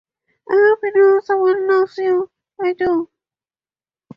I hope you know someone loves you. I do.